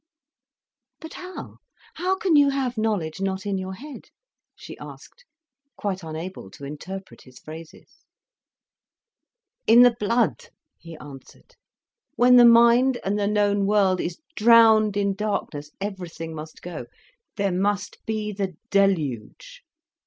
"But how? How can you have knowledge not in your head?" she asked, quite unable to interpret his phrases. "In the blood," he answered; "when the mind and the known world is drowned in darkness everything must go—there must be the deluge.